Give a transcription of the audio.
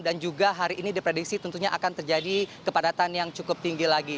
dan juga hari ini diprediksi tentunya akan terjadi kepadatan yang cukup tinggi lagi